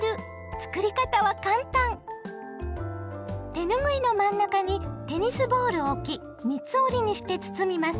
手ぬぐいの真ん中にテニスボールを置き三つ折りにして包みます。